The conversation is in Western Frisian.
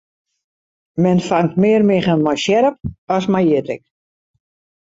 Men fangt mear miggen mei sjerp as mei jittik.